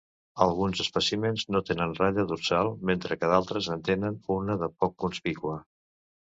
Alguns espècimens no tenen ratlla dorsal, mentre que d'altres en tenen una de poc conspícua.